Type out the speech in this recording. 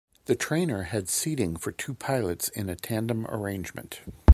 The trainer has seating for two pilots in a tandem arrangement.